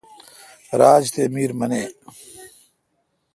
راج تی میر منے۔